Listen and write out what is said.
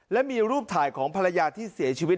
และมีรูปถ่ายของภรรยาที่เสียชีวิต